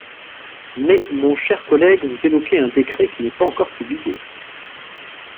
Mais, mon cher collègue, vous évoquez un décret qui n’est pas encore publié.